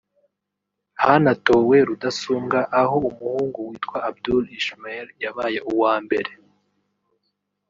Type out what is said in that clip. Hanatowe Rudasumbwa aho umuhungu witwa Abdul Ishmael yabaye uwa mbere